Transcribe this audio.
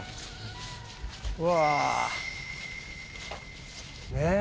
うわ。ねえ。